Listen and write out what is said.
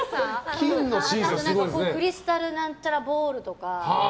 クリスタル何ちゃらボールとか。